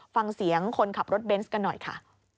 ฟังเสียงคนขับรถเบนส์กันหน่อยค่ะ